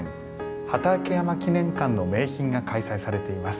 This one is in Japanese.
「畠山記念館の名品」が開催されています